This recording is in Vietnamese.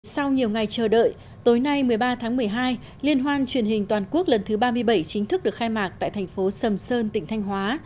sau nhiều ngày chờ đợi tối nay một mươi ba tháng một mươi hai liên hoan truyền hình toàn quốc lần thứ ba mươi bảy chính thức được khai mạc tại thành phố sầm sơn tỉnh thanh hóa